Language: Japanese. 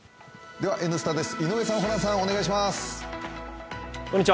では「Ｎスタ」です井上さん、ホランさんお願いします。